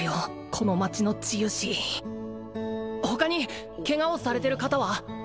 この街の治癒士他にケガをされてる方は？